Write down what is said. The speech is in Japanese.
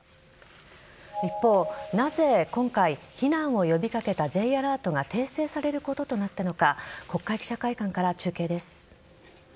一方、なぜ今回、避難を呼び掛けたＪアラートが訂正されることとなったのか国会記者会館から中継です。